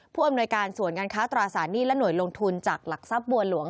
อำนวยการส่วนการค้าตราสารหนี้และหน่วยลงทุนจากหลักทรัพย์บัวหลวง